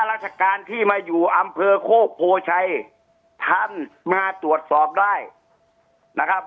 ราชการที่มาอยู่อำเภอโคกโพชัยท่านมาตรวจสอบได้นะครับ